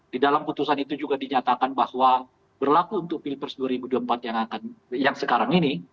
di dalam putusan itu juga dinyatakan bahwa berlaku untuk pilpres dua ribu dua puluh empat yang sekarang ini